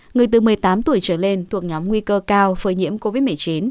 người từ một mươi tám tuổi trở lên thuộc nhóm nguy cơ cao phơi nhiễm covid một mươi chín